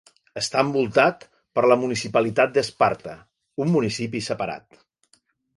Està envoltat per la municipalitat de Sparta, un municipi separat.